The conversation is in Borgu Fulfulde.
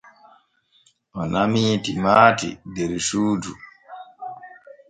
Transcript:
O namii timaati der suudu.